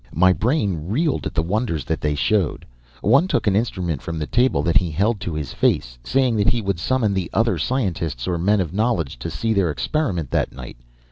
"My brain reeled at the wonders that they showed. One took an instrument from the table that he held to his face, saying that he would summon the other scientists or men of knowledge to see their experiment that night.